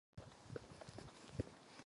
Na tyto váhy lze nahlížet jako na vektor.